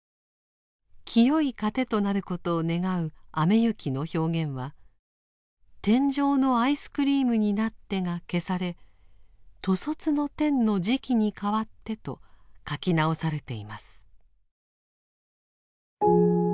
聖い資糧となることを願う雨雪の表現は「天上のアイスクリームになって」が消され「兜率の天の食に変って」と書き直されています。